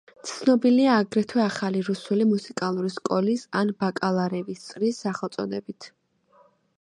ცნობილია აგრეთვე ახალი რუსული მუსიკალური სკოლის ან „ბალაკირევის წრის“ სახელწოდებით.